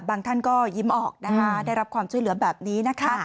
ท่านก็ยิ้มออกนะคะได้รับความช่วยเหลือแบบนี้นะคะ